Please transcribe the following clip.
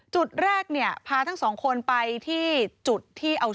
จุดแรกเนี่ยพาทั้งสองคนไปที่จุดที่เอา